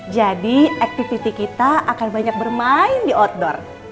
jadi activity kita akan banyak bermain di outdoor